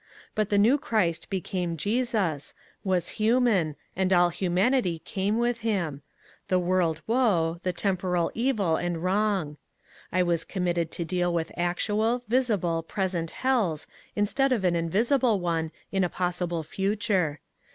But the new Christ became Jesus, was human, and all humanity came with him, — the world woe, the* temporal evil and wroug. I was committed to deal with actual, visible, present hells instead of an invisible one in a possible future.